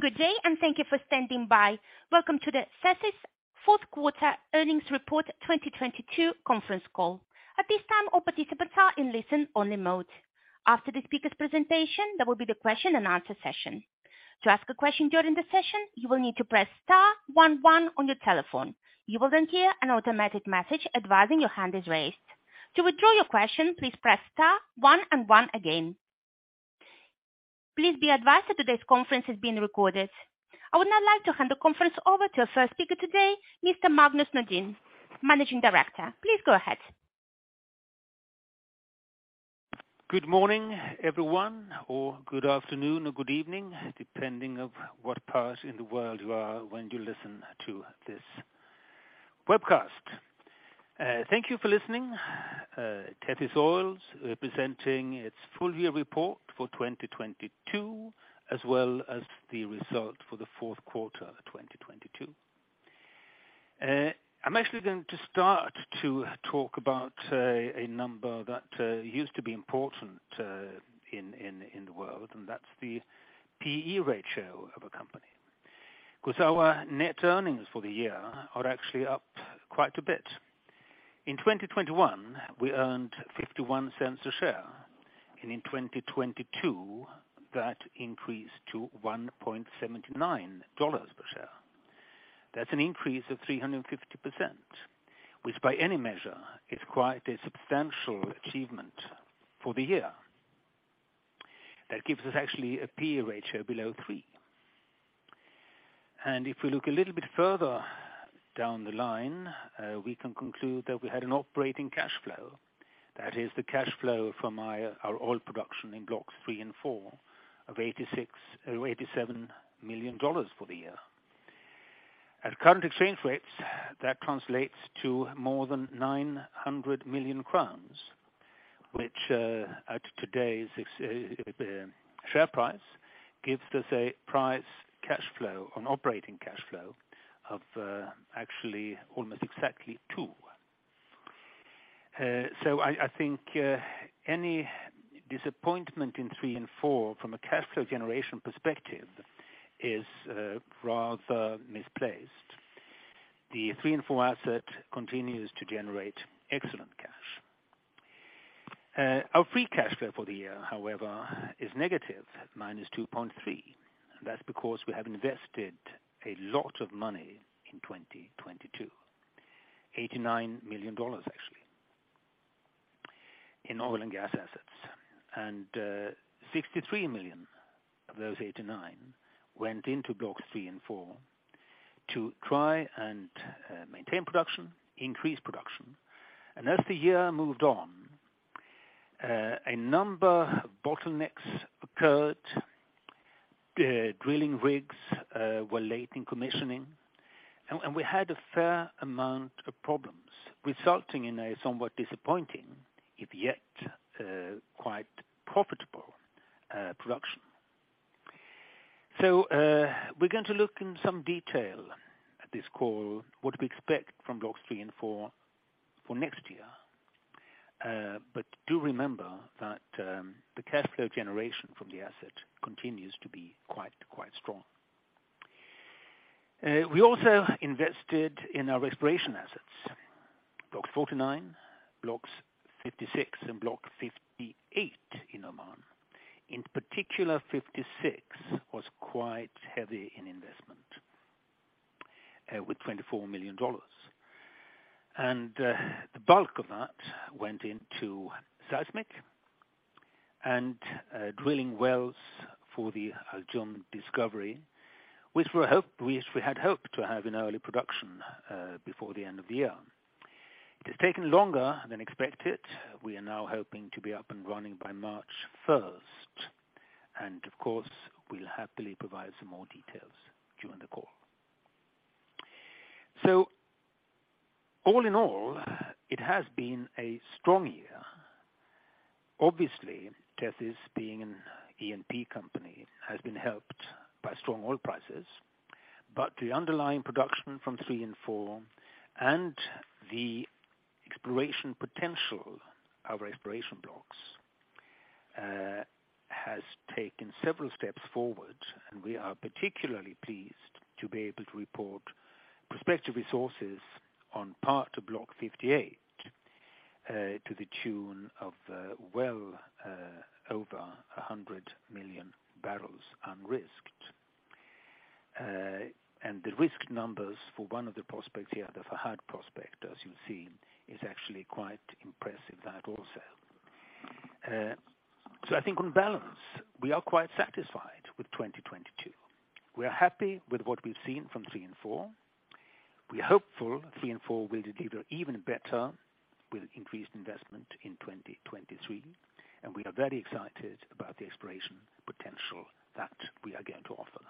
Good day, and thank you for standing by. Welcome to the Tethys fourth quarter earnings report 2022 conference call. At this time, all participants are in listen-only mode. After the speaker's presentation, there will be the question-and-answer session. To ask a question during the session, you will need to press star one one on your telephone. You will then hear an automatic message advising your hand is raised. To withdraw your question, please press star one and one again. Please be advised that today's conference is being recorded. I would now like to hand the conference over to our first speaker today, Mr. Magnus Nordin, Managing Director. Please go ahead. Good morning, everyone, or good afternoon or good evening, depending on what part in the world you are when you listen to this webcast. Thank you for listening. Tethys Oil is representing its full-year report for 2022 as well as the result for the fourth quarter of 2022. I'm actually going to start to talk about a number that used to be important in the world, and that's the P/E ratio of a company. Our net earnings for the year are actually up quite a bit. In 2021, we earned $0.51 a share, and in 2022, that increased to $1.79 per share. That's an increase of 350%, which by any measure is quite a substantial achievement for the year. That gives us actually a P/E ratio below 3. If we look a little bit further down the line, we can conclude that we had an operating cash flow. That is the cash flow from our oil production in Blocks 3 and 4 of $86, $87 million for the year. At current exchange rates, that translates to more than 900 million crowns, which, at today's share price, gives us a price cash flow on operating cash flow of actually almost exactly 2. I think any disappointment in 3 and 4 from a cash flow generation perspective is rather misplaced. The 3 and 4-asset continues to generate excellent cash. Our free cash flow for the year, however, is negative, -2.3. That's because we have invested a lot of money in 2022. $89 million, actually, in oil and gas assets. $63 million of those $89 million went into Blocks 3 and 4 to try and maintain production, increase production. As the year moved on, a number of bottlenecks occurred. Drilling rigs were late in commissioning, and we had a fair amount of problems resulting in a somewhat disappointing, if yet quite profitable production. We're going to look in some detail at this call, what we expect from Blocks 3 and 4 for next year. But do remember that the cash flow generation from the asset continues to be quite strong. We also invested in our exploration assets, Block 49, Blocks 56, and Block 58 in Oman. In particular, 56 was quite heavy in investment with $24 million. The bulk of that went into seismic and drilling wells for the Al Jumd discovery, which we had hoped to have in early production before the end of the year. It has taken longer than expected. We are now hoping to be up and running by March 1st, and of course, we'll happily provide some more details during the call. All in all, it has been a strong year. Obviously, Tethys being an E&P company, has been helped by strong oil prices, but the underlying production from Block 3 and 4 and the exploration potential of exploration blocks has taken several steps forward. We are particularly pleased to be able to report prospective resources on part of Block 58 to the tune of well over 100 million barrels unrisked. The risked numbers for one of the prospects here, the Fahad prospect, as you've seen, is actually quite impressive that also. I think on balance, we are quite satisfied with 2022. We are happy with what we've seen from 3 and 4. We're hopeful 3 and 4 will deliver even better with increased investment in 2023, and we are very excited about the exploration potential that we are going to offer.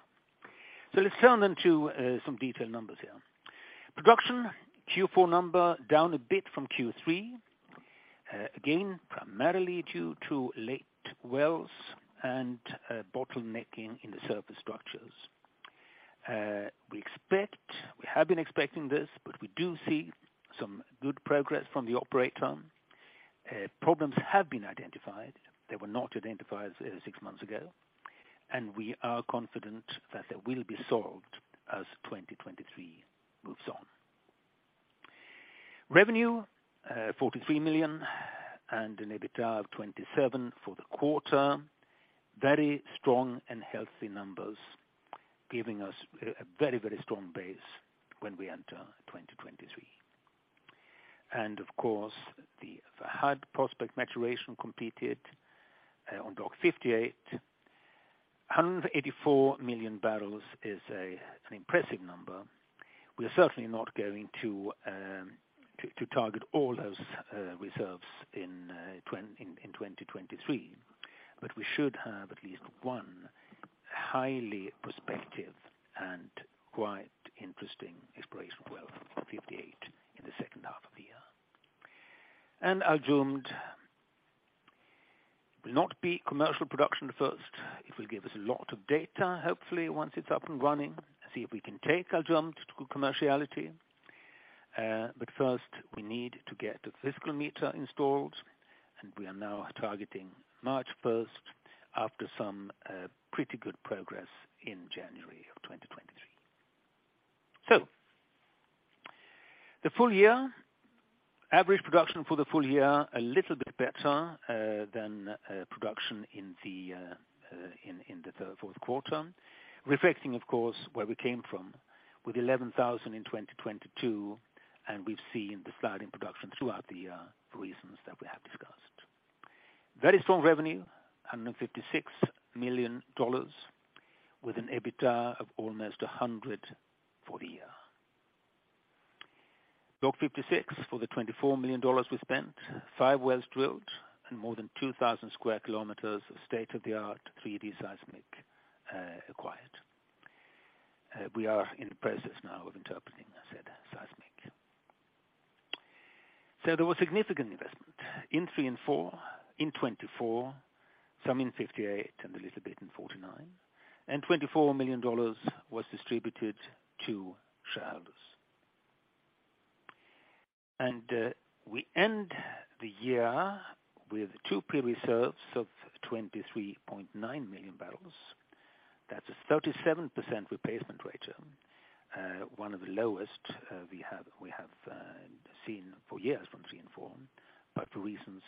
Let's turn into some detailed numbers here. Production Q4 number down a bit from Q3, again, primarily due to late wells and bottlenecking in the surface structures. We have been expecting this, but we do see some good progress from the operator. Problems have been identified. They were not identified, six months ago, and we are confident that they will be solved as 2023 moves on. Revenue, $43 million, and an EBITDA of $27 million for the quarter. Very strong and healthy numbers giving us a very strong base when we enter 2023. Of course, the Fahd prospect maturation completed on Block 58. 184 million barrels is an impressive number. We're certainly not going to target all those reserves in 2023, but we should have at least one highly prospective and quite interesting exploration well for 58 in the second half of the year. Al Jumd will not be commercial production first. It will give us a lot of data, hopefully, once it's up and running. See if we can take Al Jumd to commerciality. First, we need to get the fiscal meter installed, and we are now targeting March 1st after some pretty good progress in January 2023. The full year, average production for the full year, a little bit better than production in the third, fourth quarter. Reflecting, of course, where we came from with 11,000 in 2022, and we've seen the slide in production throughout the year for reasons that we have discussed. Very strong revenue, $156 million with an EBITDA of almost $100 for the year. Block 56, for the $24 million we spent, five wells drilled and more than 2,000 square kilometers of state-of-the-art 3D seismic acquired. We are in the process now of interpreting said seismic. There was significant investment in 3 and 4, in 2024, some in 58 and a little bit in 49, and $24 million was distributed to shareholders. We end the year with 2P reserves of 23.9 million barrels. That's a 37% replacement ratio. One of the lowest we have seen for years from 3 and 4, but for reasons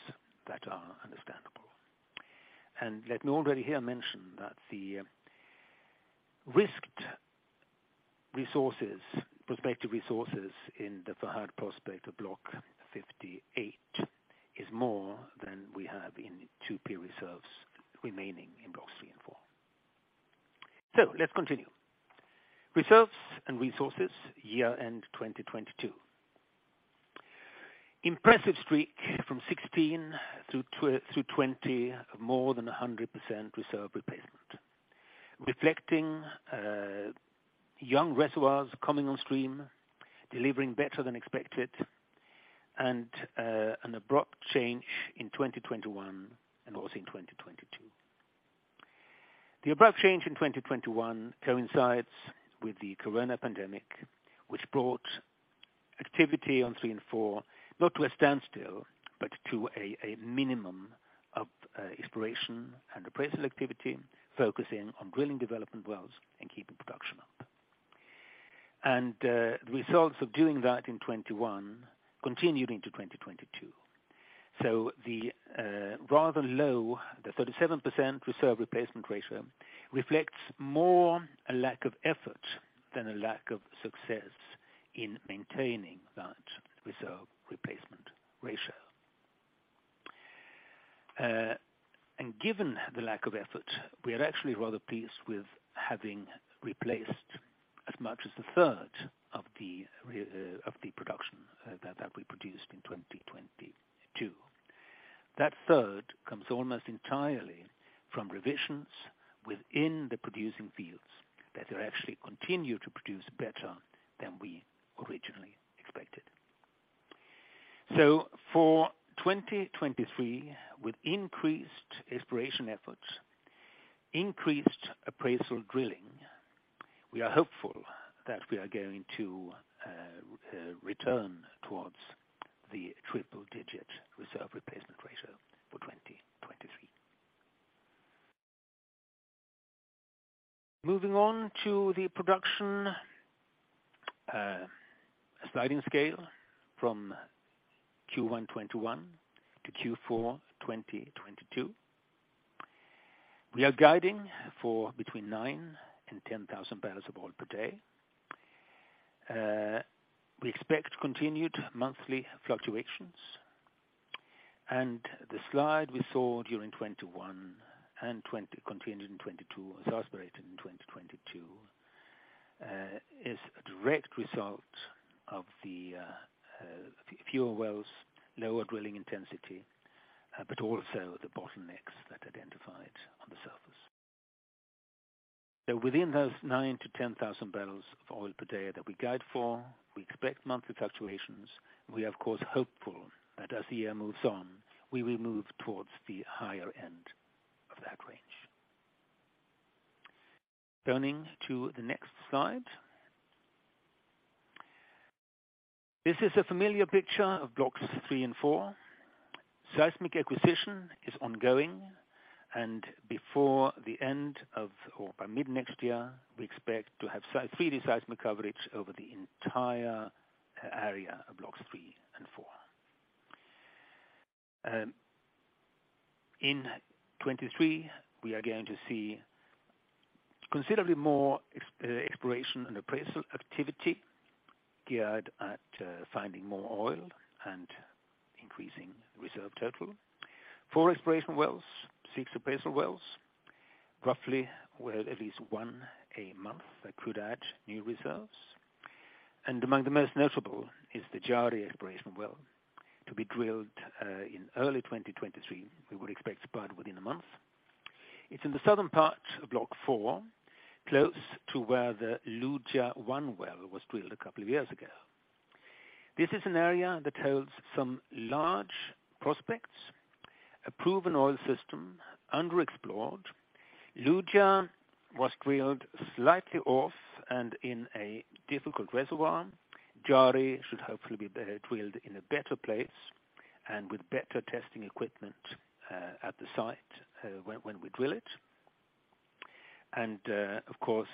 that are understandable. Let me already here mention that the risked resources, prospective resources in the Fahd prospect of Block 58 is more than we have in 2P reserves remaining in Blocks 3 and 4. Let's continue. Reserves and resources year end 2022. Impressive streak from 2016 through 2020 of more than 100% reserve replacement. Reflecting young reservoirs coming on stream, delivering better than expected, and an abrupt change in 2021 and also in 2022. The abrupt change in 2021 coincides with the corona pandemic, which brought activity on 3 and 4, not to a standstill, but to a minimum of exploration and appraisal activity, focusing on drilling development wells and keeping production up. The results of doing that in 2021 continued into 2022. The rather low the 37% reserve replacement ratio reflects more a lack of effort than a lack of success in maintaining that reserve replacement ratio. Given the lack of effort, we are actually rather pleased with having replaced as much as a third of the production that we produced in 2022. That third comes almost entirely from revisions within the producing fields that are actually continue to produce better than we originally expected. For 2023, with increased exploration efforts, increased appraisal drilling, we are hopeful that we are going to return towards the triple-digit reserve replacement ratio for 2023. Moving on to the production sliding scale from Q1 2021 to Q4 2022. We are guiding for between 9,000 and 10,000 barrels of oil per day. We expect continued monthly fluctuations. The slide we saw during 2021 and continued in 2022, was aspirated in 2022, is a direct result of the fewer wells, lower drilling intensity, but also the bottlenecks that identified on the surface. Within those 9,000 and 10,000 barrels of oil per day that we guide for, we expect monthly fluctuations. We are, of course, hopeful that as the year moves on, we will move towards the higher end of that range. Turning to the next slide. This is a familiar picture of Blocks 3 and 4. Seismic acquisition is ongoing, and before the end of, or by mid next year, we expect to have 3D seismic coverage over the entire area of Blocks 3 and 4. In 2023, we are going to see considerably more exploration and appraisal activity geared at finding more oil and increasing reserve total. Four exploration wells, six appraisal wells, roughly with at least one a month that could add new reserves. Among the most notable is the Jari exploration well, to be drilled in early 2023. We would expect to spud within a month. It's in the southern part of Block 4, close to where the Luja-1 well was drilled a couple of years ago. This is an area that holds some large prospects, a proven oil system, underexplored. Luja was drilled slightly off and in a difficult reservoir. Jari should hopefully be better drilled in a better place and with better testing equipment at the site when we drill it. Of course,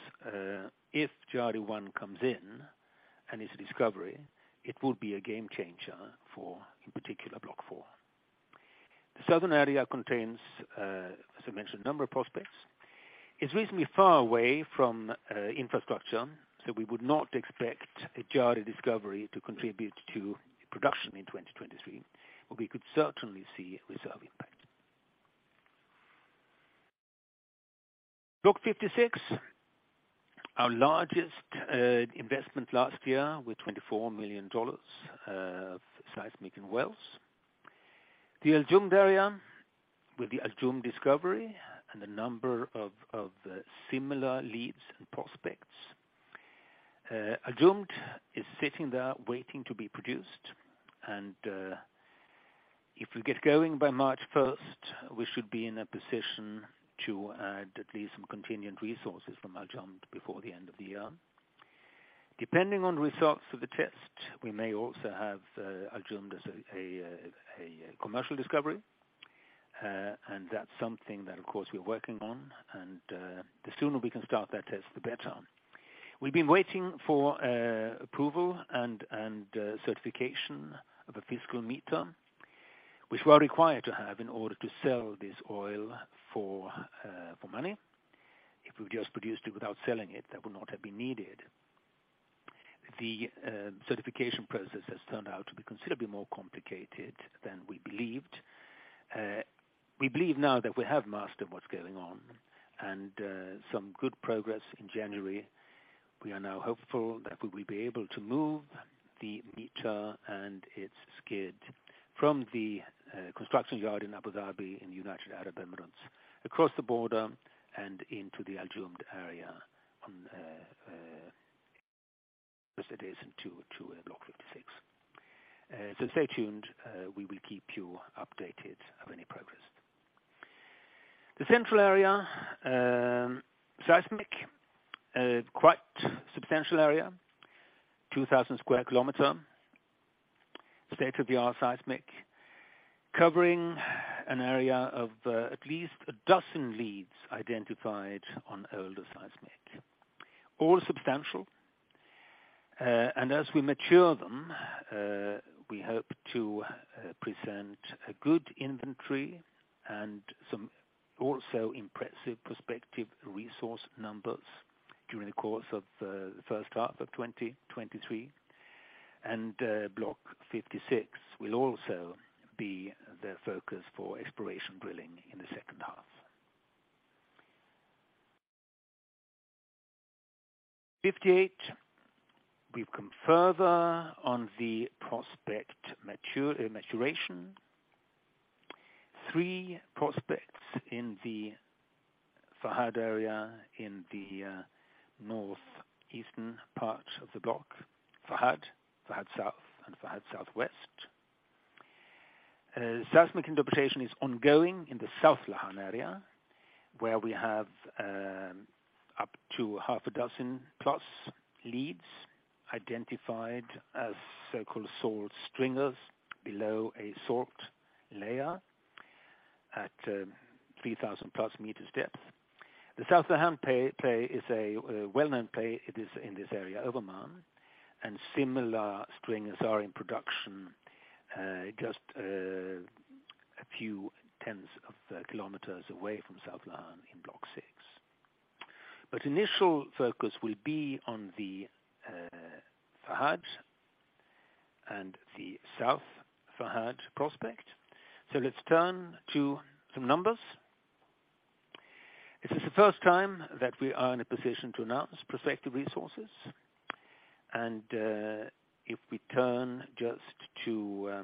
if Jari-1 comes in and is a discovery, it will be a game changer for, in particular, Block 4. The southern area contains, as I mentioned, a number of prospects. It's reasonably far away from infrastructure, so we would not expect a Jari discovery to contribute to production in 2023, but we could certainly see a reserve impact. Block 56, our largest investment last year, with $24 million seismic and wells. The Al Jumd area, with the Al Jumd discovery and a number of similar leads and prospects. Al Jumd is sitting there waiting to be produced and if we get going by March 1st, we should be in a position to add at least some contingent resources from Al Jumd before the end of the year. Depending on results of the test, we may also have Al Jumd as a commercial discovery. That's something that, of course, we're working on, and the sooner we can start that test, the better. We've been waiting for approval and certification of a fiscal meter, which we are required to have in order to sell this oil for money. If we just produced it without selling it, that would not have been needed. The certification process has turned out to be considerably more complicated than we believed. We believe now that we have mastered what's going on, and some good progress in January. We are now hopeful that we will be able to move the meter and its skid from the construction yard in Abu Dhabi, in the United Arab Emirates, across the border and into the Al Jumd area on facilities into Block 56. Stay tuned. We will keep you updated of any progress. The central area, seismic, quite substantial area, 2,000 sq km, state-of-the-art seismic, covering an area of at least a dozen leads identified on older seismic. All substantial, and as we mature them, we hope to present a good inventory and some also impressive prospective resource numbers during the course of the first half of 2023. Block 56 will also be the focus for exploration drilling in the second half. Block 58, we've come further on the prospect mature maturation. Three prospects in the Fahd area in the northeastern part of the block, Fahd South and Fahd Southwest. Seismic interpretation is ongoing in the South Lahan area, where we have up to half a dozen plus leads identified as so-called salt stringers below a salt layer at 3,000+ meters depth. The South Lahan pay, play is a well-known play. It is in this area over man, and similar stringers are in production, just a few tens of kilometers away from South Lahan in Block 6. Initial focus will be on the Fahd and the South Fahd prospect. Let's turn to some numbers. This is the first time that we are in a position to announce prospective resources. If we turn just to,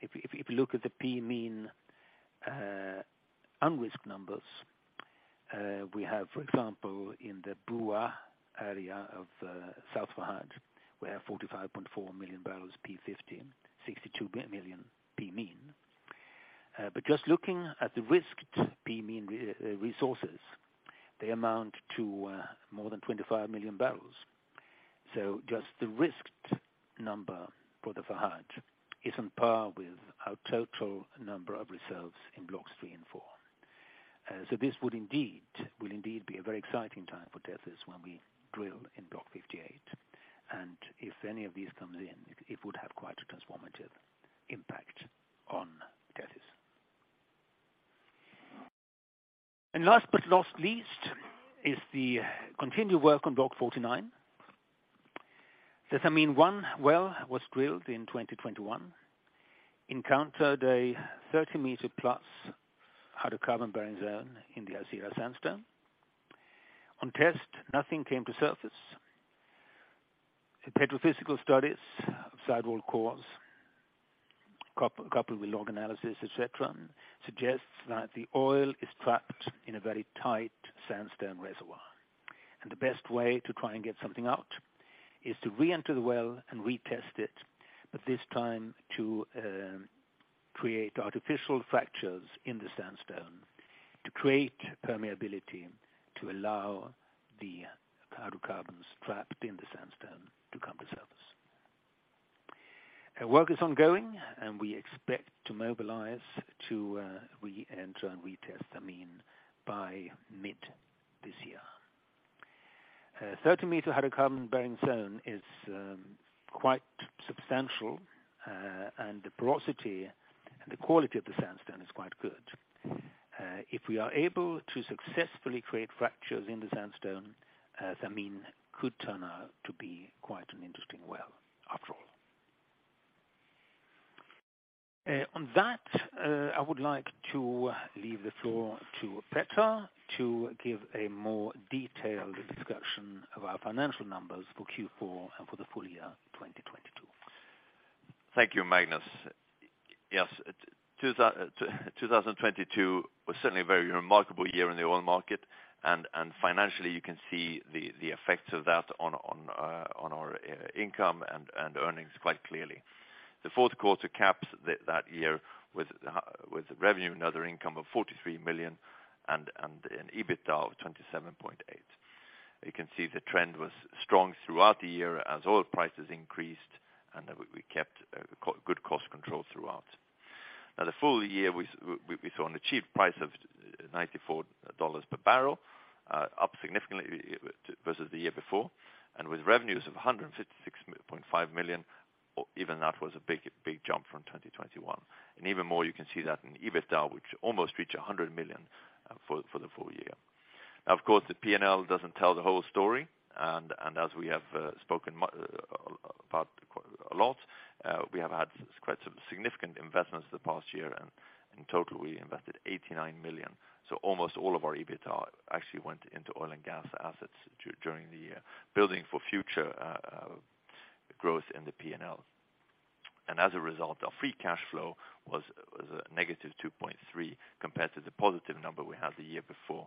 if we look at the Pmean unrisked numbers, we have, for example, in the Buah area of South Fahd, we have 45.4 million barrels P50, 62 million Pmean. Just looking at the risked Pmean resources, they amount to more than 25 million barrels. Just the risked number for the Fahd is on par with our total number of reserves in Blocks 3 and 4. This will indeed be a very exciting time for Tethys when we drill in Block 58. If any of these comes in, it would have quite a transformative impact on Tethys. Last but not least is the continued work on Block 49. The Thameen-1 well was drilled in 2021, encountered a 30-meter-plus-hydrocarbon-bearing zone in the Hasirah Sandstone. On test, nothing came to surface. The petrophysical studies of sidewall cores coupled with log analysis, et cetera, suggests that the oil is trapped in a very tight sandstone reservoir. The best way to try and get something out is to re-enter the well and retest it, but this time to create artificial fractures in the sandstone to create permeability to allow the hydrocarbons trapped in the sandstone to come to surface. Work is ongoing, and we expect to mobilize to re-enter and retest Thameen by mid this year. 30-meter-hydrocarbon-bearing zone is quite substantial, and the porosity and the quality of the sandstone is quite good. If we are able to successfully create fractures in the sandstone, Thameen could turn out to be quite an interesting well after all. On that, I would like to leave the floor to Petter to give a more detailed discussion of our financial numbers for Q4 and for the full year 2022. Thank you, Magnus. Yes, 2022 was certainly a very remarkable year in the oil market. Financially, you can see the effects of that on our income and earnings quite clearly. The fourth quarter caps that year with revenue and other income of $43 million and an EBITDA of $27.8. You can see the trend was strong throughout the year as oil prices increased, and we kept good cost control throughout. The full year, we saw an achieved price of $94 per barrel, up significantly versus the year before, and with revenues of $156.5 million, even that was a big jump from 2021. Even more, you can see that in EBITDA, which almost reached $100 million for the full year. Of course, the P&L doesn't tell the whole story. As we have spoken about quite a lot, we have had quite some significant investments the past year, and in total, we invested $89 million. Almost all of our EBITDA actually went into oil and gas assets during the year, building for future growth in the P&L. As a result, our free cash flow was a negative $2.3 compared to the positive number we had the year before.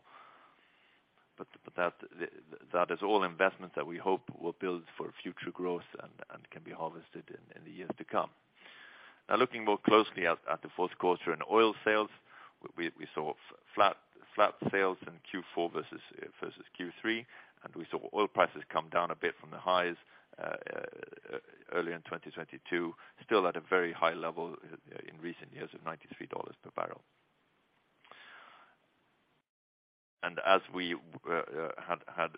That is all investment that we hope will build for future growth and can be harvested in the years to come. Looking more closely at the fourth quarter in oil sales, we saw flat sales in Q4 versus Q3. We saw oil prices come down a bit from the highs early in 2022, still at a very high level in recent years of $93 per barrel. As we had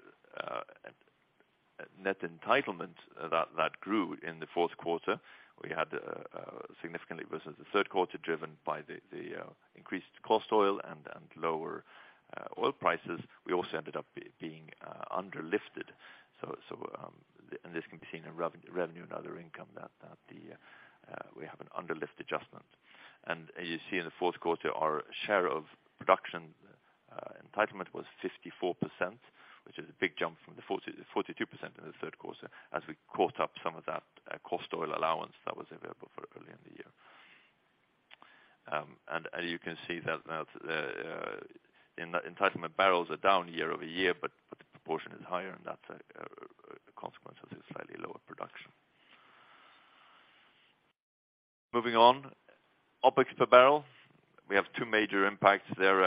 net entitlement that grew in the fourth quarter, we had significantly versus the third quarter, driven by the increased cost oil and lower oil prices. We also ended up being underlifted. This can be seen in revenue and other income that we have an underlift adjustment. You see in the fourth quarter, our share of production, entitlement was 54%, which is a big jump from the 40%-42% in the third quarter, as we caught up some of that cost oil allowance that was available for early in the year. As you can see that entitlement barrels are down year-over-year, but the proportion is higher, and that's a consequence of the slightly lower production. Moving on, OpEx per barrel, we have two major impacts there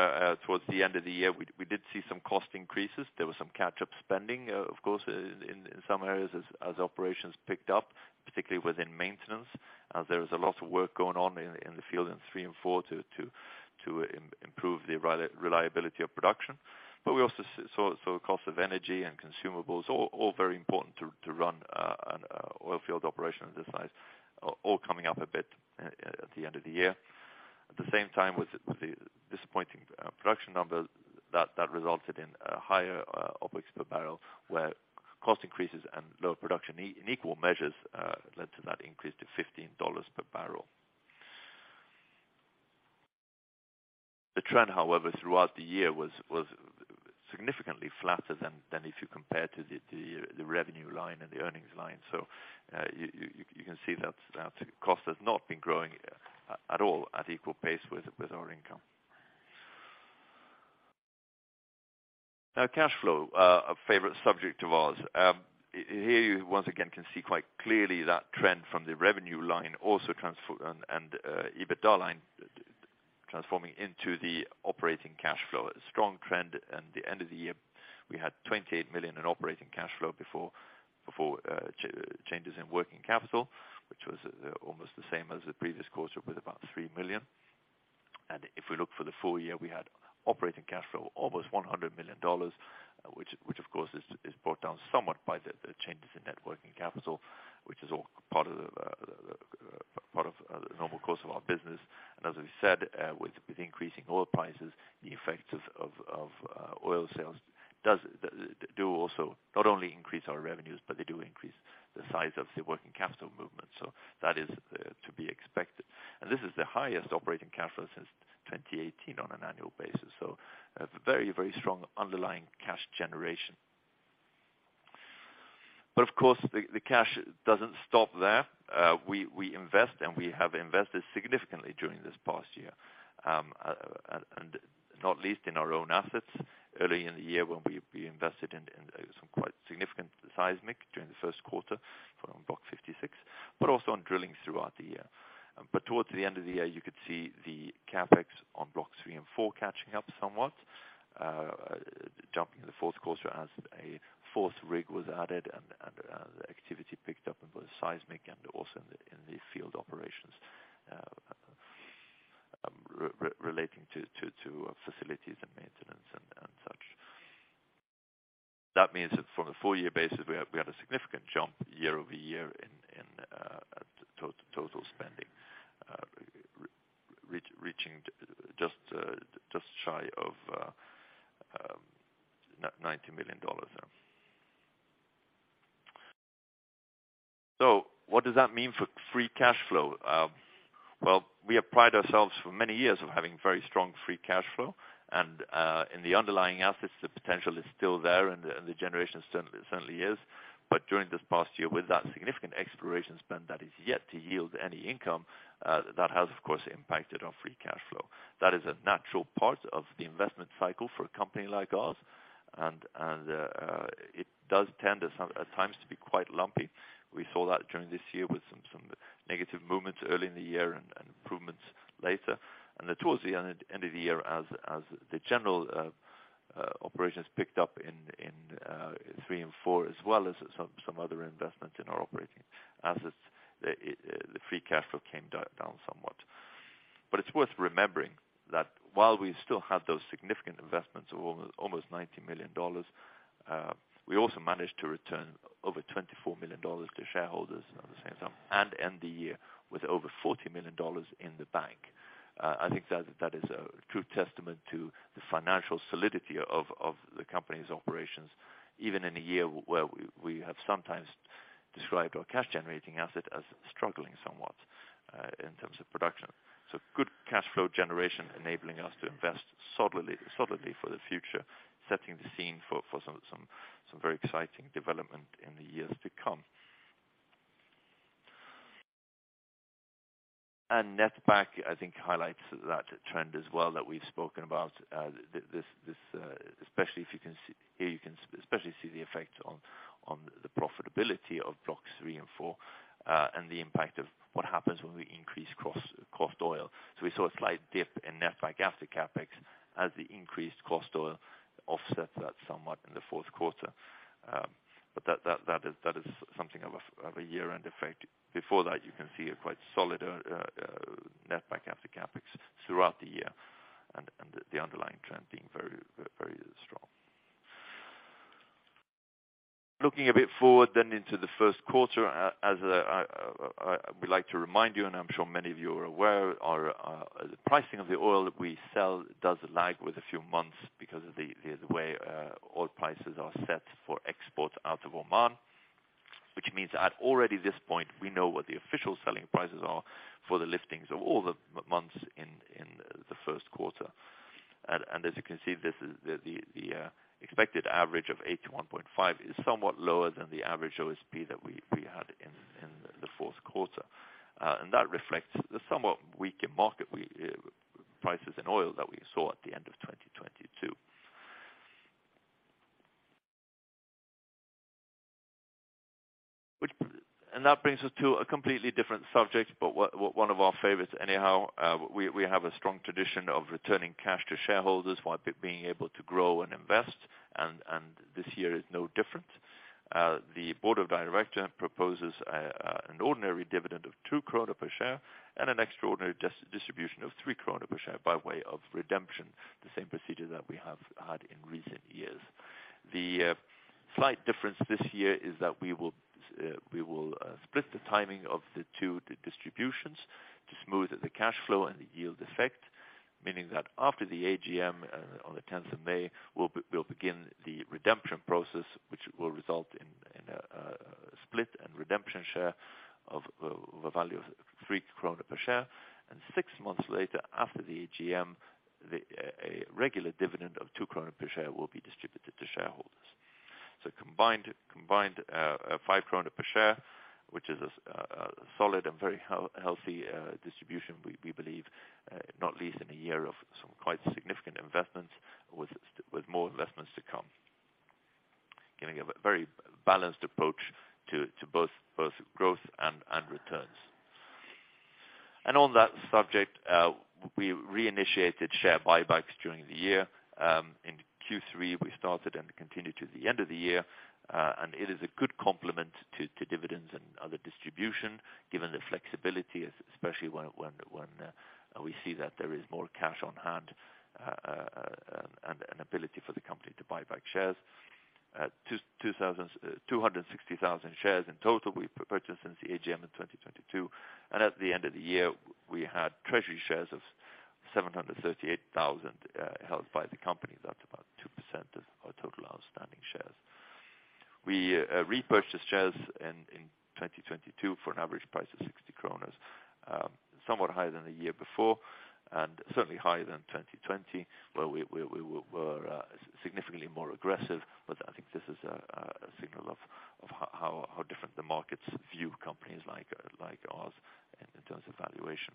towards the end of the year. We did see some cost increases. There was some catch-up spending, of course, in some areas as operations picked up, particularly within maintenance. There is a lot of work going on in the field in 3 and 4 to improve the reliability of production. We also saw cost of energy and consumables, all very important to run an oil field operation of this size, all coming up a bit at the end of the year. At the same time with the disappointing production numbers that resulted in a higher OpEx per barrel, where cost increases and lower production in equal measures led to that increase to $15 per barrel. The trend, however, throughout the year was significantly flatter than if you compare to the revenue line and the earnings line. You can see that cost has not been growing at all at equal pace with our income. Now cash flow, a favorite subject of ours. Here, you once again can see quite clearly that trend from the revenue line and EBITDA line transforming into the operating cash flow. A strong trend. The end of the year, we had $28 million in operating cash flow before changes in working capital, which was almost the same as the previous quarter, with about $3 million. If we look for the full year, we had operating cash flow almost $100 million, which of course is brought down somewhat by the changes in net working capital, which is all part of the normal course of our business. As we said, with increasing oil prices, the effect of oil sales do also not only increase our revenues, but they do increase the size of the working capital movement. That is to be expected. This is the highest operating capital since 2018 on an annual basis. A very, very strong underlying cash generation. Of course, the cash doesn't stop there. We invest, and we have invested significantly during this past year, and not least in our own assets. Early in the year, when we invested in some quite significant seismic during the first quarter from Block 56, but also on drilling throughout the year. Towards the end of the year, you could see the CapEx on Block 3 and 4 catching up somewhat, jumping in the fourth quarter as a fourth rig was added and the activity picked up in both seismic and also in the field operations relating to facilities and maintenance and such. That means that from a full year basis, we had a significant jump year-over-year in total spending, reaching just shy of $90 million. What does that mean for free cash flow? Well, we have prided ourselves for many years of having very strong free cash flow. In the underlying assets, the potential is still there, and the generation certainly is. During this past year, with that significant exploration spend that is yet to yield any income, that has, of course, impacted our free cash flow. That is a natural part of the investment cycle for a company like ours, and it does tend at times to be quite lumpy. We saw that during this year with some negative movements early in the year and improvements later. Towards the end of the year, as the general operations picked up in 3 and 4, as well as some other investment in our operating assets, the free cash flow came down somewhat. It's worth remembering that while we still have those significant investments of almost $90 million, we also managed to return over $24 million to shareholders at the same time and end the year with over $40 million in the bank. I think that is a true testament to the financial solidity of the company's operations, even in a year where we have sometimes described our cash-generating asset as struggling somewhat, in terms of production. Good cash flow generation enabling us to invest solidly for the future, setting the scene for some very exciting development in the years to come. Netback, I think, highlights that trend as well that we've spoken about. Here you can especially see the effect on the profitability of Blocks 3 and 4, and the impact of what happens when we increase cost oil. We saw a slight dip in netback after CapEx as the increased cost oil offset that somewhat in the fourth quarter. That is something of a year-end effect. Before that, you can see a quite solid netback after CapEx throughout the year and the underlying trend being very, very strong. Looking a bit forward into the first quarter, as I would like to remind you, and I'm sure many of you are aware, our pricing of the oil that we sell does lag with a few months because of the way oil prices are set for exports out of Oman, which means at already this point, we know what the official selling prices are for the liftings of all the months in the first quarter. As you can see, this is the expected average of $81.5 is somewhat lower than the average OSP that we had in the fourth quarter. That reflects the somewhat weaker market we prices in oil that we saw at the end of 2022. That brings us to a completely different subject, but one of our favorites anyhow. We have a strong tradition of returning cash to shareholders while being able to grow and invest, and this year is no different. The Board of Director proposes an ordinary dividend of 2 krona per share and an extraordinary distribution of 3 krona per share by way of redemption, the same procedure that we have had in recent years. The slight difference this year is that we will split the timing of the two distributions to smooth the cash flow and the yield effect, meaning that after the AGM, on the 10th of May, we'll begin the redemption process, which will result in a split and redemption share of a value of 3 kronor per share. Six months later, after the AGM, a regular dividend of 2 kronor per share will be distributed to shareholders. Combined, 5 kronor per share, which is a solid and very healthy distribution, we believe, not least in a year of some quite significant investments with more investments to come. Giving a very balanced approach to both growth and returns. On that subject, we reinitiated share buybacks during the year. In Q3, we started and continued to the end of the year, and it is a good complement to dividends and other distribution given the flexibility, especially when we see that there is more cash on hand and an ability for the company to buy back shares. 260,000 shares in total we've purchased since the AGM in 2022. At the end of the year, we had treasury shares of 738,000 held by the company. That's about 2% of our total outstanding shares. We repurchased shares in 2022 for an average price of 60 kronor, somewhat higher than the year before. Certainly higher than 2020, where we were significantly more aggressive. I think this is a signal of how different the markets view companies like ours in terms of valuation.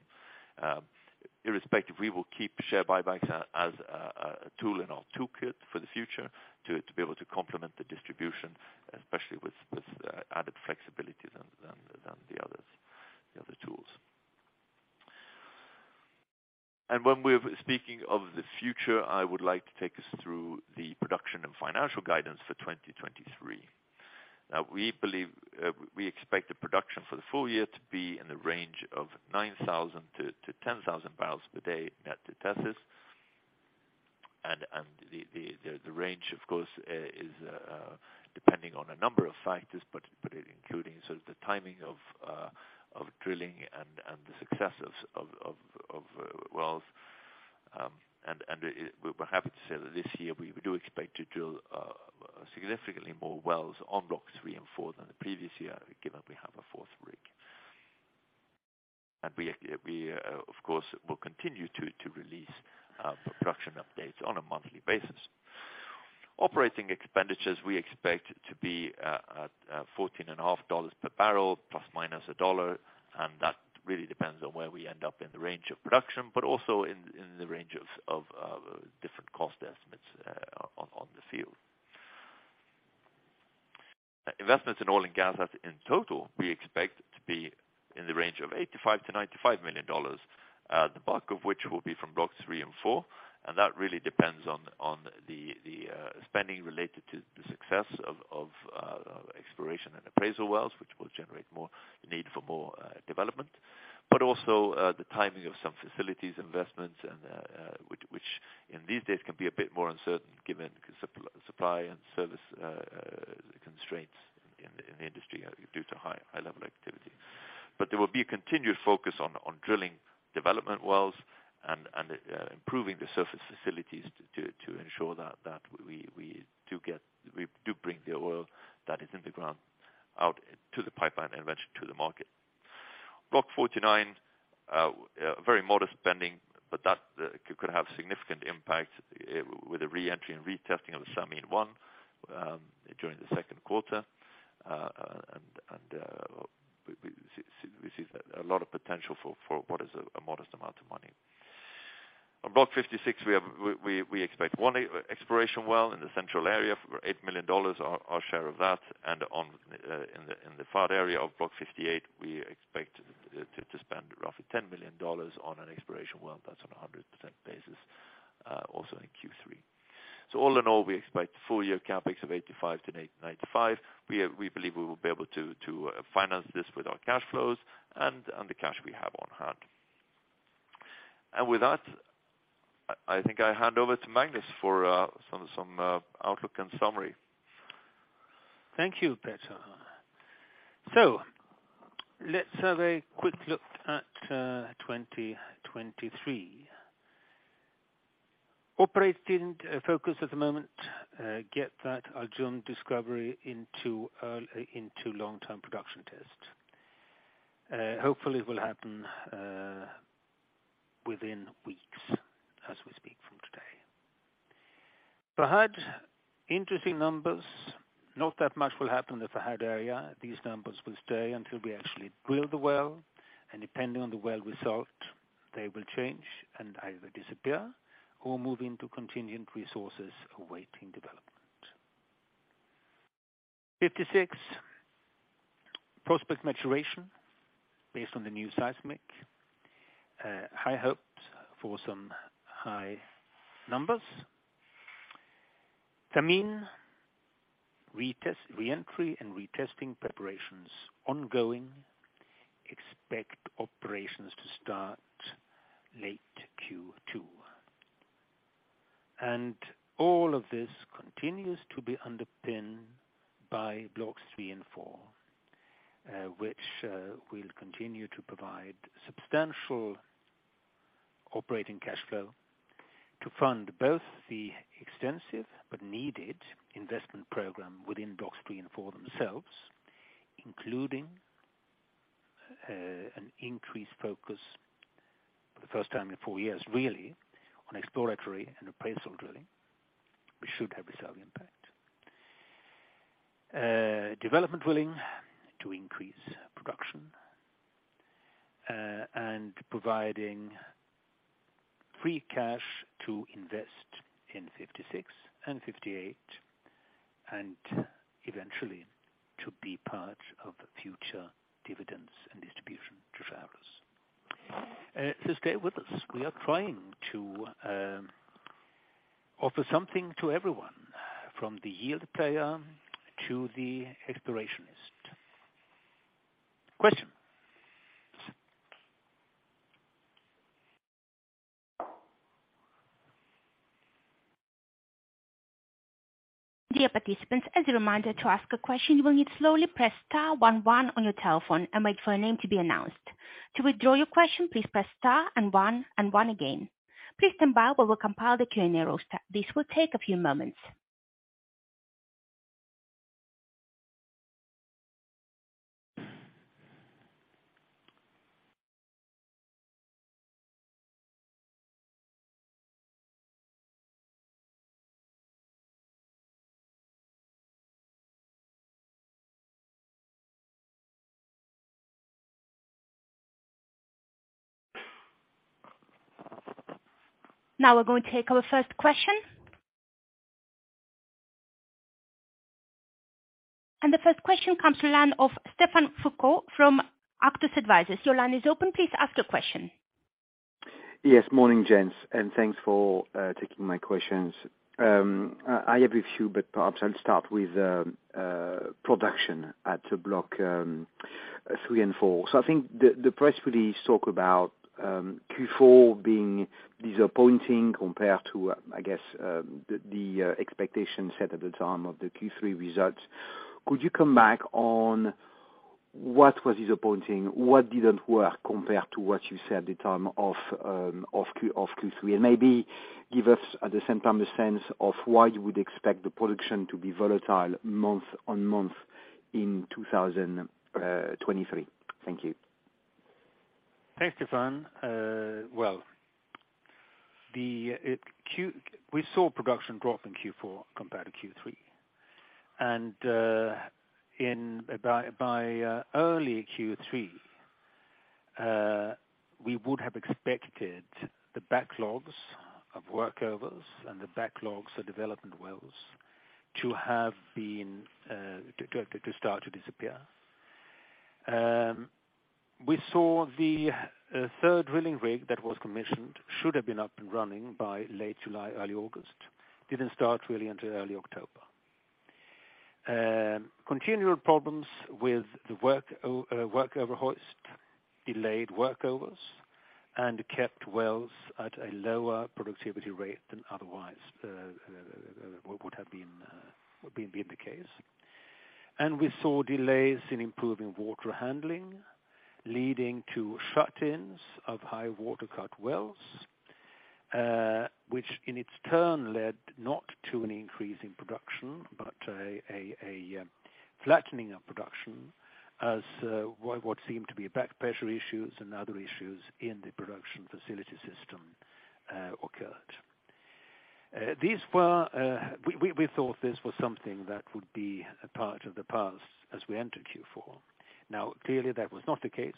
Irrespective, we will keep share buybacks as a tool in our toolkit for the future to be able to complement the distribution, especially with added flexibility than the other tools. When we're speaking of the future, I would like to take us through the production and financial guidance for 2023. We believe we expect the production for the full year to be in the range of 9,000 to 10,000 barrels per day at Tethys. The range, of course, is depending on a number of factors, but including sort of the timing of drilling and the success of wells. We're happy to say that this year we do expect to drill significantly more wells on Blocks 3 and 4 than the previous year, given we have a fourth rig. We of course will continue to release production updates on a monthly basis. OpEx we expect to be at $14.5 per barrel ±$1, that really depends on where we end up in the range of production, but also in the range of different cost estimates on the field. Investments in oil and gas, in total, we expect to be in the range of $85 million-$95 million, the bulk of which will be from Blocks 3 and 4. That really depends on the spending related to the success of exploration and appraisal wells, which will generate more need for more development. Also, the timing of some facilities investments, and which in these days can be a bit more uncertain given supply and service constraints in the industry due to high-level activity. There will be continued focus on drilling development wells and improving the surface facilities to ensure that we do get, we do bring the oil that is in the ground out to the pipeline and eventually to the market. Block 49, very modest spending, but that could have significant impact with the re-entry and retesting of the Thameen-1 during Q2. We see a lot of potential for what is a modest amount of money. On Block 56, we expect one exploration well in the central area for $8 million, our share of that. In the far area of Block 58, we expect to spend roughly $10 million on an exploration well, that's on a 100% basis, also in Q3. All in all, we expect full year CapEx of $85 million-$95 million. We believe we will be able to finance this with our cash flows and the cash we have on hand. With that, I think I hand over to Magnus for some outlook and summary. Thank you, Petter. Let's have a quick look at 2023. Operate student focus at the moment, get that Al Jumd discovery into long-term production tests. Hopefully will happen within weeks as we speak from today. Fahd, interesting numbers. Not that much will happen in the Fahd area. These numbers will stay until we actually drill the well, and depending on the well result, they will change and either disappear or move into contingent resources awaiting development. 56, prospect maturation based on the new seismic. High hopes for some high numbers. Thameen retest, reentry, and retesting preparations ongoing. Expect operations to start late Q2. All of this continues to be underpinned by Blocks 3 and 4, which will continue to provide substantial operating cash flow to fund both the extensive but needed investment program within Blocks 3 and 4 themselves, including an increased focus for the first time in four years, really on exploratory and appraisal drilling, which should have a certain impact. Development willing to increase production, and providing free cash to invest in 56 and 58, and eventually to be part of the future dividends and distribution to shareholders. To stay with us, we are trying to offer something to everyone, from the yield player to the explorationist. Question? Dear participants, as a reminder, to ask a question you will need to slowly press star one one on your telephone and wait for a name to be announced. To withdraw your question, please press star and one and one again. Please stand by while we compile the Q&A roster. This will take a few moments. We're going to take our first question. The first question comes to line of Stéphane Foucault from Auctus Advisors. Your line is open. Please ask your question. Yes, morning gents, and thanks for taking my questions. I have a few, but perhaps I'll start with production at the Block 3 and 4. I think the press release talk about Q4 being disappointing compared to, I guess, the expectation set at the time of the Q3 results. Could you come back on what was disappointing? What didn't work compared to what you said at the time of Q3? Maybe give us at the same time a sense of why you would expect the production to be volatile month on month in 2023. Thank you. Thanks, Stéphane. Well, we saw production drop in Q4 compared to Q3. By early Q3, we would have expected the backlogs of workovers and the backlogs for development wells to have been to start to disappear. We saw the third drilling rig that was commissioned should have been up and running by late July, early August, didn't start really until early October. Continual problems with the workover hoist, delayed workovers and kept wells at a lower productivity rate than otherwise would have been would been the case. We saw delays in improving water handling, leading to shut-ins of high water cut wells, which in its turn led not to an increase in production, but a flattening of production as what seemed to be back pressure issues and other issues in the production facility system occurred. These were, we thought this was something that would be a part of the past as we entered Q4. Clearly that was not the case.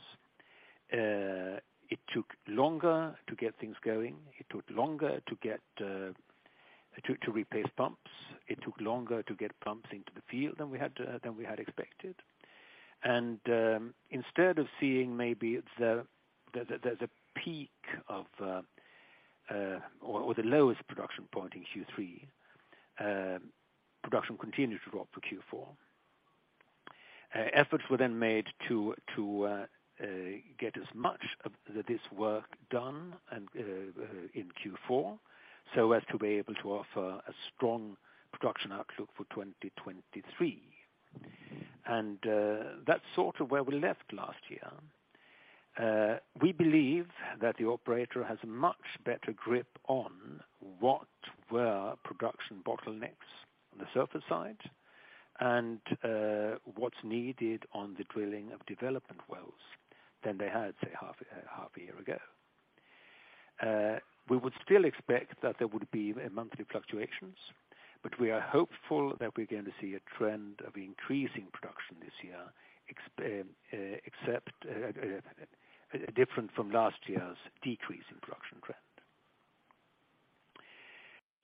It took longer to get things going. It took longer to get to replace pumps. It took longer to get pumps into the field than we had expected. Instead of seeing maybe the peak of or the lowest production point in Q3, production continued to drop for Q4. Efforts were then made to get as much of this work done and in Q4, so as to be able to offer a strong production outlook for 2023. That's sort of where we left last year. We believe that the operator has a much better grip on what were production bottlenecks on the surface side and what's needed on the drilling of development wells than they had, say, half a year ago. We would still expect that there would be a monthly fluctuations, but we are hopeful that we're going to see a trend of increasing production this year, except different from last year's decrease in production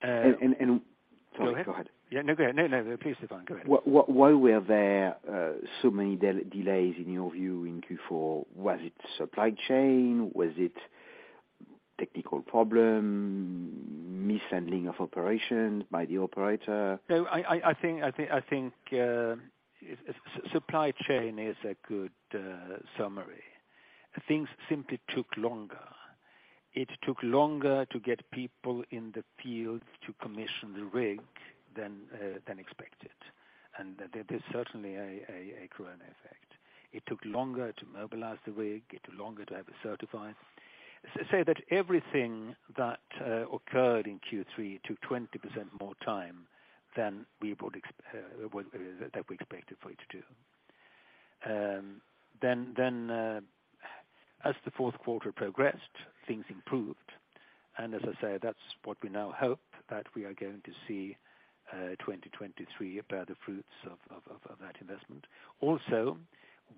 trend. Sorry, go ahead. Yeah, no, go ahead. No, please, Stéphane, go ahead. Why were there so many delays in your view in Q4? Was it supply chain? Was it technical problem? Mishandling of operations by the operator? No, I think supply chain is a good summary. Things simply took longer. It took longer to get people in the field to commission the rig than expected. There's certainly a corona effect. It took longer to mobilize the rig. It took longer to have it certified. Say that everything that occurred in Q3 took 20% more time than we expected for it to do. Then as the fourth quarter progressed, things improved. As I say, that's what we now hope that we are going to see 2023 bear the fruits of that investment.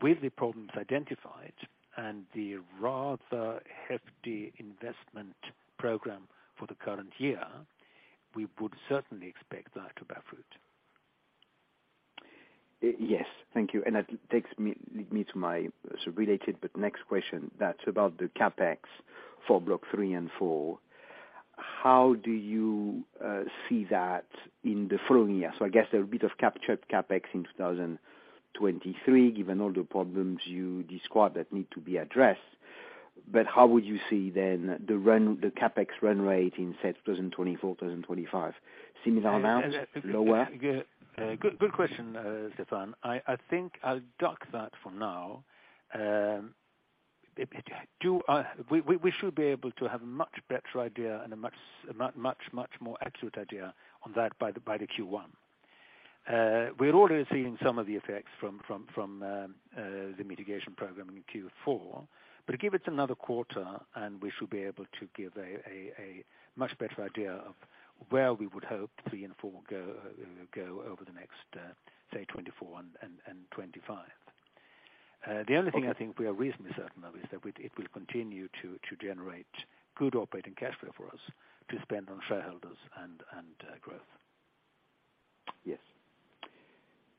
With the problems identified and the rather hefty investment program for the current year, we would certainly expect that to bear fruit. Yes. Thank you. That takes me, lead me to my sort of related, but next question that's about the CapEx for Block 3 and 4. How do you see that in the following year? I guess there'll be a bit of captured CapEx in 2023, given all the problems you described that need to be addressed. How would you see then the CapEx run rate in, say, 2024, 2025? Similar amount? Lower? Good question, Stéphane. I think I'll duck that for now. We should be able to have a much better idea and a much, much more accurate idea on that by the Q1. We're already seeing some of the effects from the mitigation program in Q4. Give it another quarter, and we should be able to give a much better idea of where we would hope 3 and 4 go over the next, say 2024 and 2025. The other thing I think we are reasonably certain of is that it will continue to generate good operating cash flow for us to spend on shareholders and growth. Yes.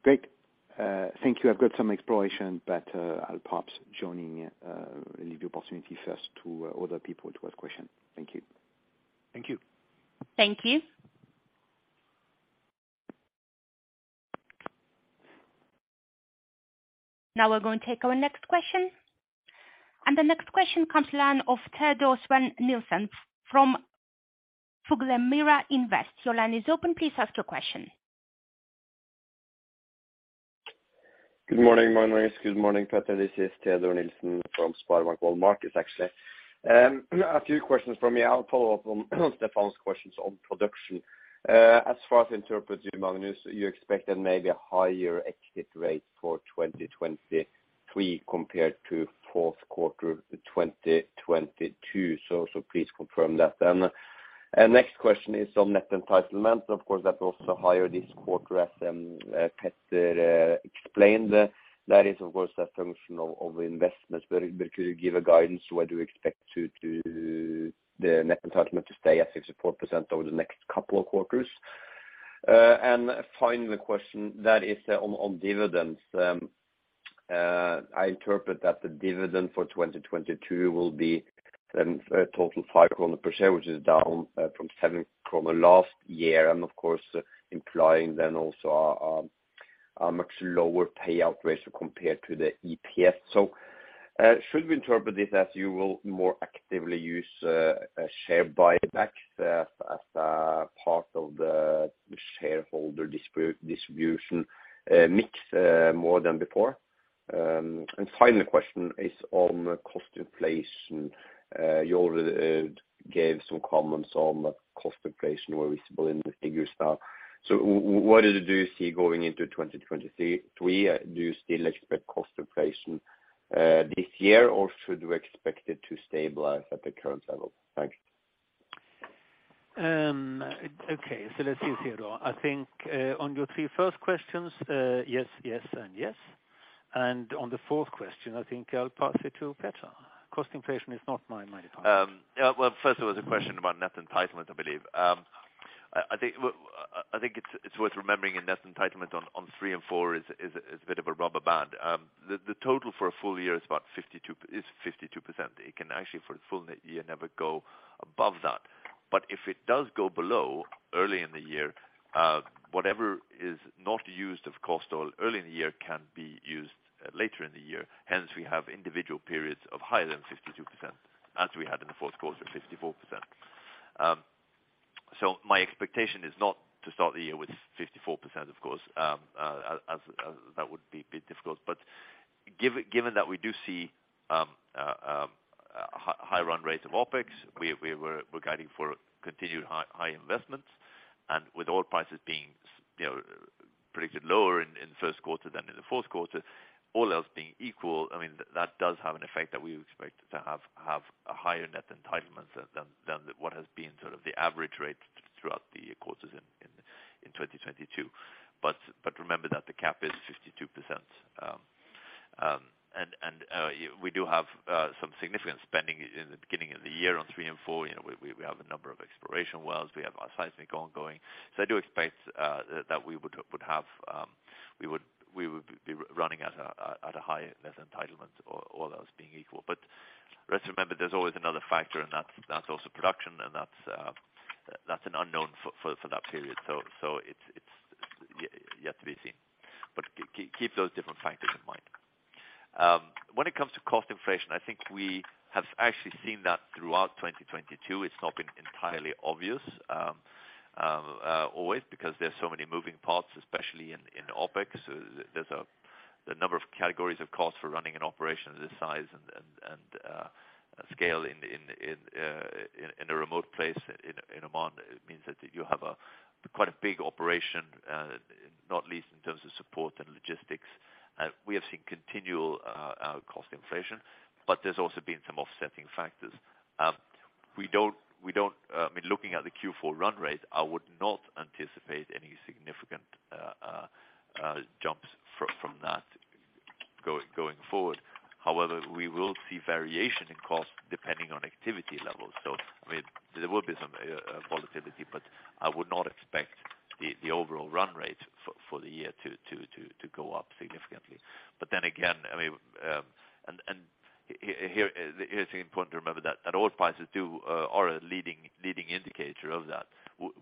Great. thank you. I've got some exploration, but, I'll perhaps joining, leave the opportunity first to other people to ask question. Thank you. Thank you. Thank you. Now, we're going to take our next question. The next question comes the line of Teodor Sveen-Nilsen from Fuglemyra Invest. Your line is open. Please ask your question. Good morning, Magnus. Good morning, Petter. This is Teodor Nilsen from SpareBank 1 Markets, actually. A few questions from me. I'll follow up on Stéphane's questions on production. As far as I interpret you, Magnus, you expect that maybe a higher exit rate for 2023 compared to fourth quarter 2022. Please confirm that then. Next question is on net entitlement. Of course, that's also higher this quarter, as Petter explained. That is, of course, a function of investments. Could you give a guidance, do you expect to the net entitlement to stay at 64% over the next couple of quarters? Final question, that is on dividends. I interpret that the dividend for 2022 will be a total 5 krona per share, which is down from 7 krona last year, and of course employing then also a much lower payout ratio compared to the EPS. Should we interpret this as you will more actively use a share buyback as a part of the shareholder distribution mix more than before? Final question is on cost inflation. You already gave some comments on cost inflation, where we see it in the figures now. What do you see going into 2023? Do you still expect cost inflation this year, or should we expect it to stabilize at the current level? Thanks. Okay. Let's see here. I think, on your three first questions, yes, and yes. On the fourth question, I think I'll pass it to Petter. Cost inflation is not my department. First there was a question about net entitlement, I believe. I think it's worth remembering a net entitlement on three and four is a bit of a rubber band. The total for a full year is about 52%, is 52%. It can actually for the full year never go above that. If it does go below early in the year, whatever is not used, of course, till early in the year can be used later in the year. Hence, we have individual periods of higher than 52%, as we had in the fourth quarter, 54%. My expectation is not to start the year with 54%, of course, as that would be a bit difficult. But given that we do see high run rates of OpEx, we're guiding for continued high investments, with oil prices being you know, predicted lower in the first quarter than in the fourth quarter, all else being equal, I mean, that does have an effect that we expect to have a higher net entitlement than what has been sort of the average rate throughout the quarters in 2022. Remember that the cap is 52%, we do have some significant spending in the beginning of the year on 3 and 4. You know, we have a number of exploration wells. We have our seismic ongoing. I do expect that we would have a high net entitlement, all else being equal. Let's remember, there's always another factor, and that's also production, and that's an unknown for that period. It's yet to be seen. Keep those different factors in mind. When it comes to cost inflation, I think we have actually seen that throughout 2022. It's not been entirely obvious always, because there's so many moving parts, especially in OpEx. The number of categories of costs for running an operation this size and scale in a remote place in Oman means that you have quite a big operation, not least in terms of support and logistics. We have seen continual cost inflation, there's also been some offsetting factors. I mean, looking at the Q4 run rate, I would not anticipate any significant jumps from that going forward. We will see variation in cost depending on activity levels. I mean, there will be some volatility, but I would not expect the overall run rate for the year to go up significantly. Then again, I mean, and here's the important to remember that oil prices do are a leading indicator of that.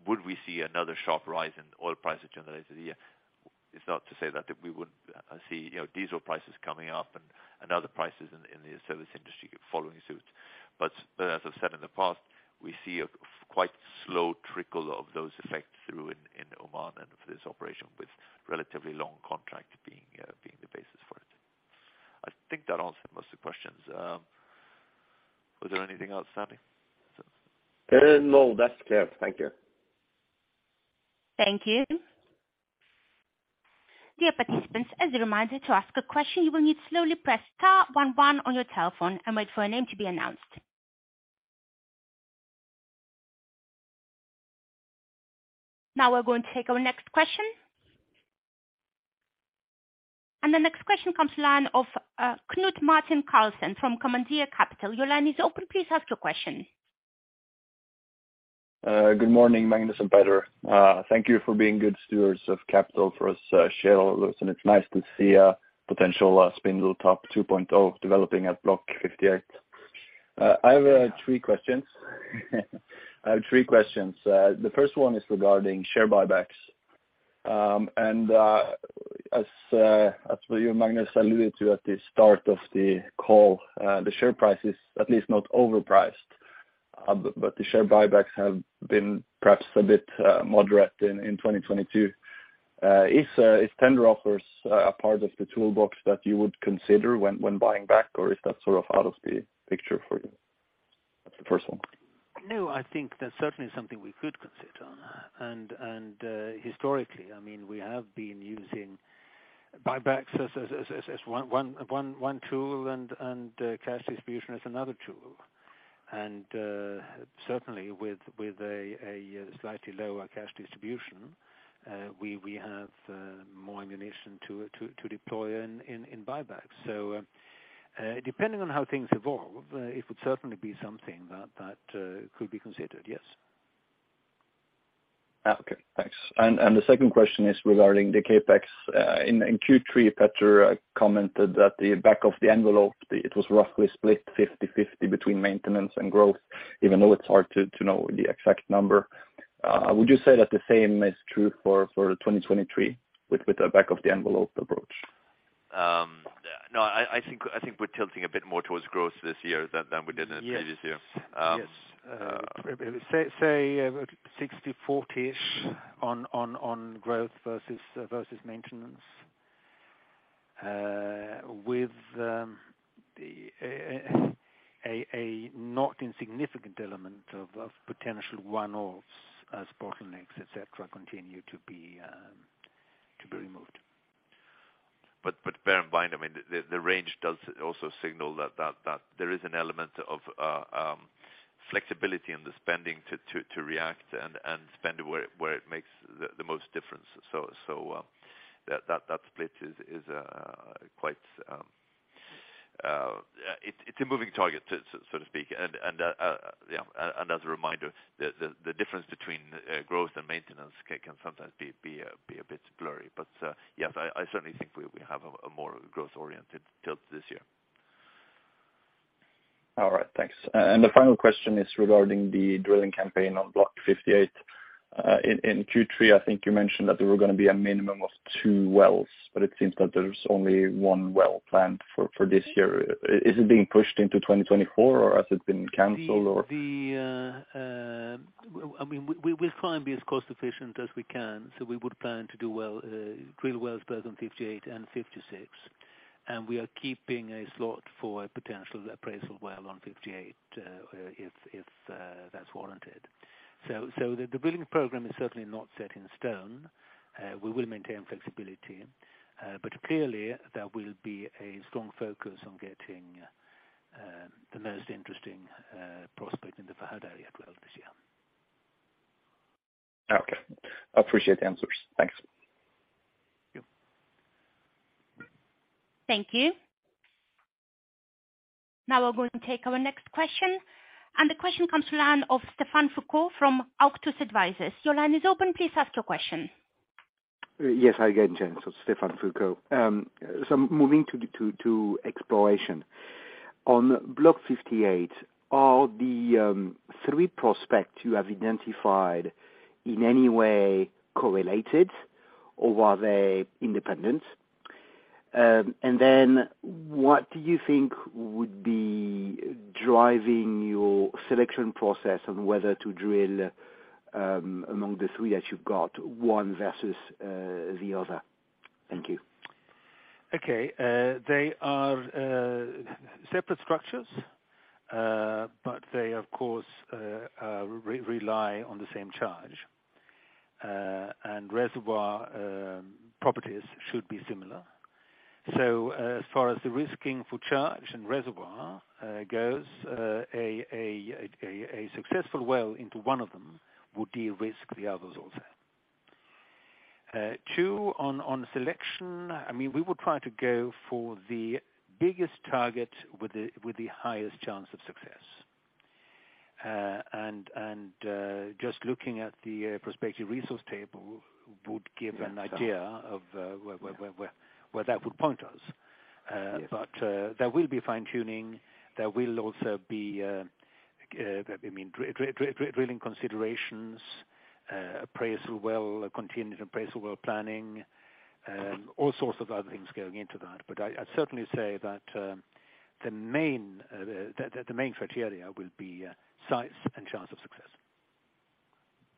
Would we see another sharp rise in oil prices during the rest of the year? It's not to say that we wouldn't see, you know, diesel prices coming up and other prices in the service industry following suit. As I've said in the past, we see a quite slow trickle of those effects through in Oman, and for this operation with relatively long contract being the basis for it. I think that answered most of the questions. Was there anything else, Sveen? No. That's clear. Thank you. Thank you. Dear participants, as a reminder, to ask a question, you will need to slowly press star one one on your telephone and wait for a name to be announced. Now we're going to take our next question. The next question comes line of Knut Martin Karlsen from Commandeer Capital. Your line is open. Please ask your question. Good morning, Magnus and Petter. Thank you for being good stewards of capital for us shareholders, and it's nice to see a potential Spindletop 2.0 developing at Block 58. I have three questions. The first one is regarding share buybacks. As you Magnus alluded to at the start of the call, the share price is at least not overpriced, but the share buybacks have been perhaps a bit moderate in 2022. Is tender offers a part of the toolbox that you would consider when buying back, or is that sort of out of the picture for you? That's the first one. No, I think that's certainly something we could consider. Historically, I mean, we have been using buybacks as one tool and cash distribution as another tool. Certainly with a slightly lower cash distribution, we have more ammunition to deploy in buybacks. Depending on how things evolve, it would certainly be something that could be considered, yes. Okay, thanks. The second question is regarding the CapEx. In Q3, Petter commented that the back of the envelope, it was roughly split 50/50 between maintenance and growth, even though it's hard to know the exact number. Would you say that the same is true for 2023 with a back of the envelope approach? No. I think we're tilting a bit more towards growth this year than we did in the previous year. Yes. Yes. Say 60/40-ish on growth versus maintenance, with the a not insignificant element of potential one-offs as bottlenecks, et cetera, continue to be removed. Bear in mind, I mean, the range does also signal that there is an element of flexibility in the spending to react and spend where it makes the most difference. That split is quite... It's a moving target, so to speak. Yeah. As a reminder, the difference between growth and maintenance can sometimes be a bit blurry. Yes, I certainly think we have a more growth-oriented tilt this year. All right. Thanks. The final question is regarding the drilling campaign on Block 58. In Q3, I think you mentioned that there were gonna be a minimum of two wells, but it seems that there's only 1 well planned for this year. Is it being pushed into 2024 or has it been canceled or? I mean, we'll try and be as cost-efficient as we can. We would plan to do well, drill wells both on 58 and 56. We are keeping a slot for a potential appraisal well on 58, if that's warranted. The drilling program is certainly not set in stone. We will maintain flexibility. Clearly there will be a strong focus on getting the most interesting prospect in the Fahad area drilled this year. Okay. I appreciate the answers. Thanks. Thank you. Thank you. Now we're going to take our next question, and the question comes to line of Stéphane Foucault from Auctus Advisors. Your line is open. Please ask your question. Yes, hi again. Stéphane Foucault. Moving to exploration. On Block 58, are the three prospects you have identified in any way correlated, or are they independent? What do you think would be driving your selection process on whether to drill among the three that you've got, one versus the other. Thank you. Okay. They are separate structures, but they of course rely on the same charge and reservoir properties should be similar. As far as the risking for charge and reservoir goes, a successful well into one of them would de-risk the others also. two, on selection, I mean, we would try to go for the biggest target with the highest chance of success. Just looking at the prospective resource table would give an idea of where that would point us. Yes. There will be fine tuning. There will also be, I mean, drilling considerations, appraisal well, contingent appraisal well planning, all sorts of other things going into that. I'd certainly say that the main criteria will be size and chance of success.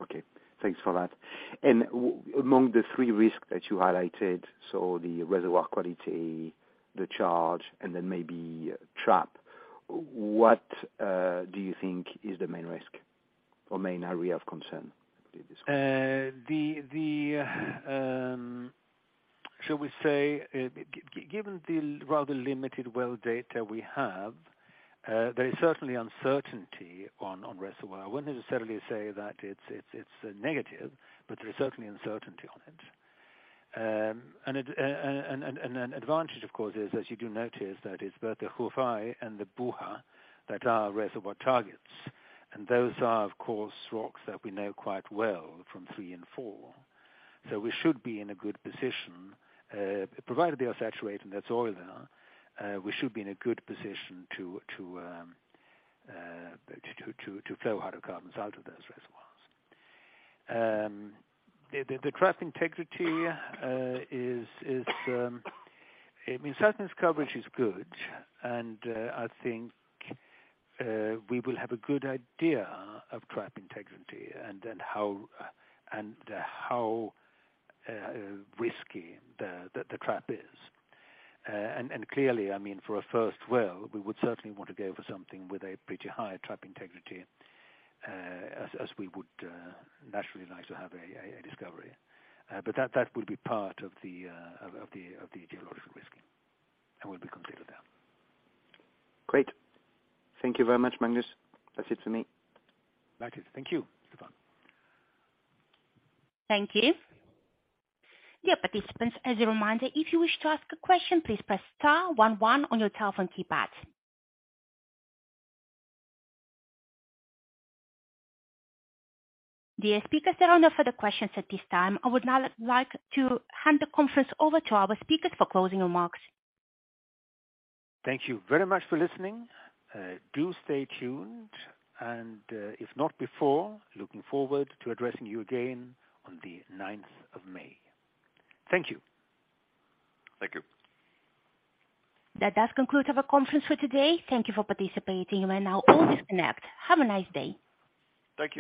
Okay. Thanks for that. Among the three risks that you highlighted, so the reservoir quality, the charge, and then maybe trap, what do you think is the main risk or main area of concern with this? The, shall we say, given the rather limited well data we have, there is certainly uncertainty on reservoir. I wouldn't necessarily say that it's negative, but there is certainly uncertainty on it. It, and an advantage of course is, as you do notice, that it's both the Khufai and the Buah that are reservoir targets. Those are, of course, rocks that we know quite well from three and four. We should be in a good position, provided they are saturated and there's oil there, we should be in a good position to flow hydrocarbons out of those reservoirs. The trap integrity, I mean, seismic coverage is good and I think we will have a good idea of trap integrity and then how risky the trap is. Clearly, I mean, for a first well, we would certainly want to go for something with a pretty high trap integrity, as we would naturally like to have a discovery. That will be part of the geological risk and will be completed there. Great. Thank you very much, Magnus. That's it for me. Right. Thank you, Stéphane. Thank you. Dear participants, as a reminder, if you wish to ask a question, please press star one one on your telephone keypad. Dear speakers, there are no further questions at this time. I would now like to hand the conference over to our speakers for closing remarks. Thank you very much for listening. Do stay tuned and, if not before, looking forward to addressing you again on the 9th of May. Thank you. Thank you. That does conclude our conference for today. Thank you for participating. You may now all disconnect. Have a nice day. Thank you.